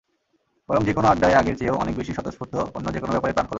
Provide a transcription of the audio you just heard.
বরং যেকোনো আড্ডায় আগের চেয়েও অনেক বেশি স্বতঃস্ফূর্ত, অন্য যেকোনো ব্যাপারে প্রাণখোলা।